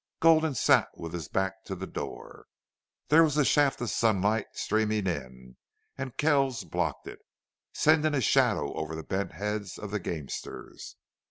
Gulden sat with his back to the door. There was a shaft of sunlight streaming in, and Kells blocked it, sending a shadow over the bent heads of the gamesters.